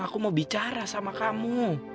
aku mau bicara sama kamu